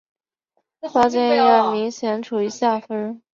巴军因而明显处于下风。